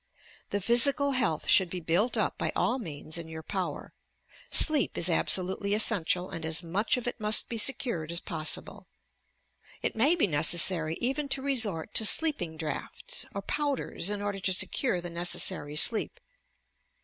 The physical health should be built up by all means in your power. Sleep is absolutely essential and as much of it must be secured as possible. It may he necessary even to resort to sleeping draughts or powders in order to secure the necessary sleep.